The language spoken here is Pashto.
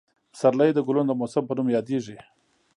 پسرلی د ګلونو د موسم په نوم یادېږي.